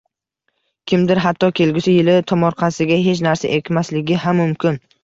Kimdir hatto kelgusi yili tomorqasiga hech narsa ekmasligi ham mumkin.